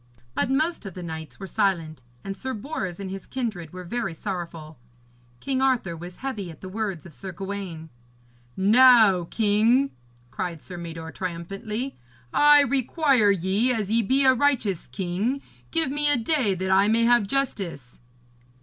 But most of the knights were silent, and Sir Bors and his kindred were very sorrowful. King Arthur was heavy at the words of Sir Gawaine. 'Now, king,' cried Sir Mador triumphantly, 'I require ye, as ye be a righteous king, give me a day that I may have justice.'